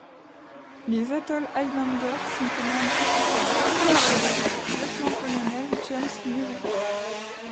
Les Atholl Highlanders sont commandés à cette date par le lieutenant-colonel James Murray.